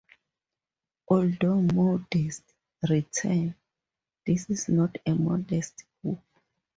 Although modestly written, this is not a modest book.